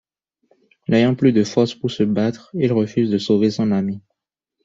N'ayant plus de force pour se battre, il refuse de sauver son amie.